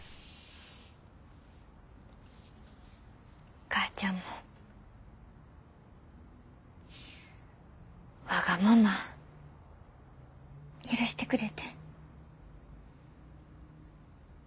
お母ちゃんもわがまま許してくれてありがとう。